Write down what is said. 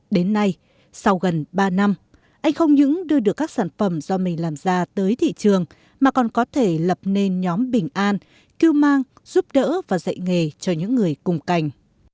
đến nay sau gần ba năm anh không những đưa được các sản phẩm do mình làm ra tới thị trường mà còn có thể lập nên nhóm bình an cưu mang giúp đỡ và dạy nghề cho những người cùng cảnh